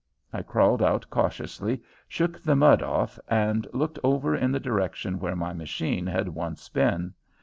I crawled out cautiously, shook the mud off, and looked over in the direction where my machine had once been.